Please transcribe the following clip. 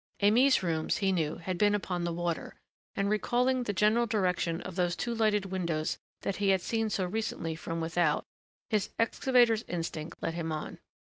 Aimée's rooms, he knew, had been upon the water, and recalling the general direction of those two lighted windows that he had seen so recently from without, his excavator's instinct led him on.